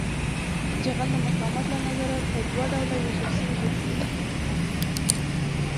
جغل د مقاومت له نظره په دوه ډلو ویشل شوی دی